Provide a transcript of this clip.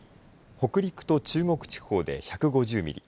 北陸と中国地方で１５０ミリ